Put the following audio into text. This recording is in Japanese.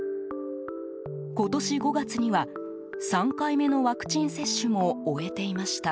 今年５月には、３回目のワクチン接種も終えていました。